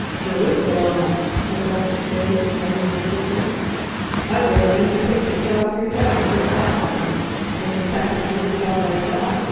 "Jerusalem!" said Doctor Carey, rising stiffly. "I'd rather undertake to cut off your head and put it back on than to tackle another job like that.